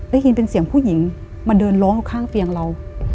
ได้ยินเป็นเสียงผู้หญิงมาเดินร้องอยู่ข้างเตียงเรา